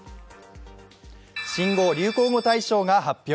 新語・流行語大賞が発表。